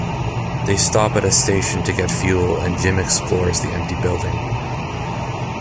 They stop at a station to get fuel and Jim explores the empty building.